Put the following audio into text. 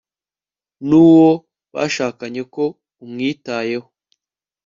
n'uwo bashakanye ko umwitayeho